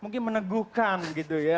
mungkin meneguhkan gitu ya